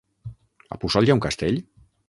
A Puçol hi ha un castell?